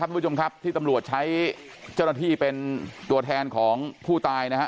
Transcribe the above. ทุกผู้ชมครับที่ตำรวจใช้เจ้าหน้าที่เป็นตัวแทนของผู้ตายนะฮะ